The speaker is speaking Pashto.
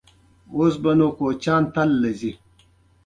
نور په ړنګو دېوالونو کې مورچې ونيسئ!